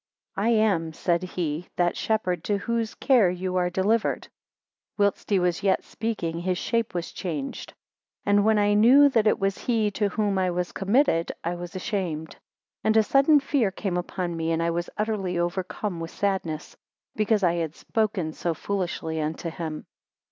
I am, said he, that shepherd to whose care you are delivered. 4 Whilst he was yet speaking, his shape was changed; and when I knew that it was he to whom I was committed, I was ashamed, and a sudden fear came upon me, and I was utterly overcome with sadness, because I had spoken so foolishly unto him.